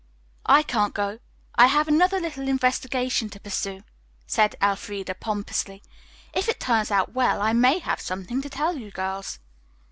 "I can't go. I have another little investigation to pursue," said Elfreda pompously. "If it turns out well, I may have something to tell you girls."